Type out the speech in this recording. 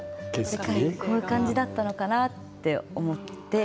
こういう感じだったのかなと思って。